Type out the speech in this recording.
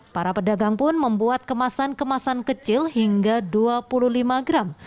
para pedagang pun membuat kemasan kemasan kecil hingga dua puluh lima gram